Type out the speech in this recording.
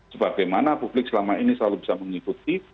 sebagaimana publik selama ini selalu bisa mengikuti